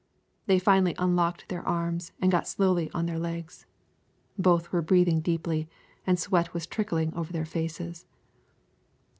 They finally unlocked their arms and got slowly on their legs. Both were breathing deeply and the sweat was trickling over their faces.